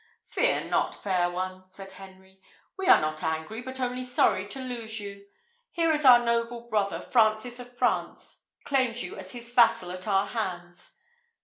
"Fear not, fair one!" said Henry; "we are not angry, but only sorry to lose you. Here is our noble brother, Francis of France, claims you as his vassal at our hands."